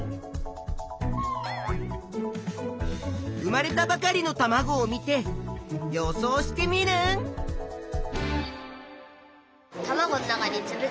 生まれたばかりのたまごを見て予想しテミルン。